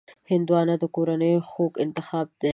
هندوانه د کورنیو خوږ انتخاب دی.